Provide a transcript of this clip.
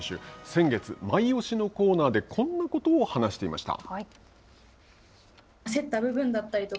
先月、マイオシのコーナーでこんなことを話していました。